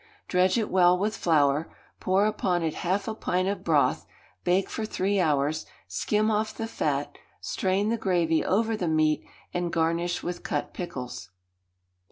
Dredge it well with flour, pour upon it half a pint of broth, bake for three hours, skim off the fat, strain the gravy over the meat, and garnish with cut pickles.